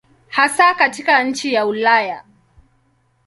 Hasa katika nchi za Ulaya.